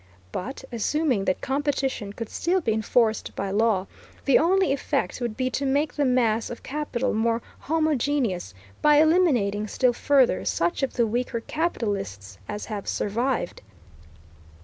But, assuming that competition could still be enforced by law, the only effect would be to make the mass of capital more homogeneous by eliminating still further such of the weaker capitalists as have survived.